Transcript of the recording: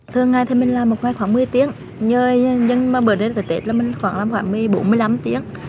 thường ngày thì mình làm một ngày khoảng một mươi tiếng nhưng mà bữa đêm tới tết là mình khoảng bốn mươi năm tiếng